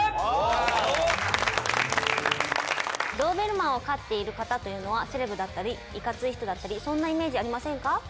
ドーベルマンを飼っている方というのはセレブだったりいかつい人だったりそんなイメージありませんか？